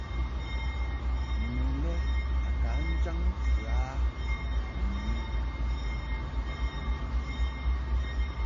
Nu le a ka jaŋ ntɨ a mi mɨ.